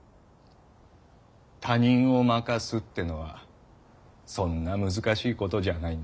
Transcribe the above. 他人を負かすってのはそんなむずかしい事じゃあないんだ。